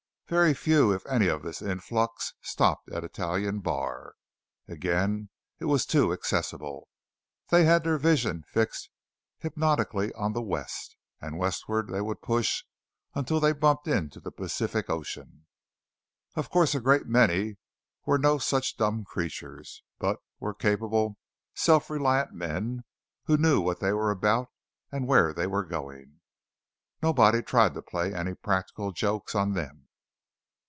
Very few if any of this influx stopped at Italian Bar. Again it was too accessible. They had their vision fixed hypnotically on the West, and westward they would push until they bumped the Pacific Ocean. Of course a great many were no such dumb creatures, but were capable, self reliant men who knew what they were about and where they were going. Nobody tried to play any practical jokes on them.